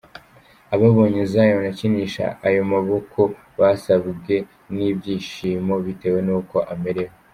Ababonye Zion akinisha ayo maboko basabwe n’ibyishimo bitewe nuko amerewe.